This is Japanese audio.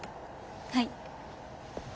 はい。